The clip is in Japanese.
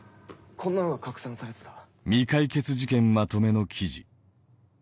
こんなのが拡散されてた。